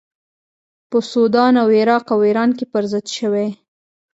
په سودان او عراق او ایران کې پر ضد شوې.